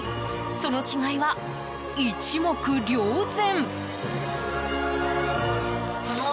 その違いは一目瞭然。